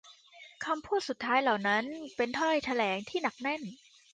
คำพูดสุดท้ายเหล่านั้นเป็นถ้อยแถลงที่หนักแน่น